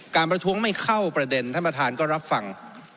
ประท้วงไม่เข้าประเด็นท่านประธานก็รับฟัง